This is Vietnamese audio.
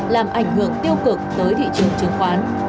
làm ảnh hưởng tiêu cực tới thị trường chứng khoán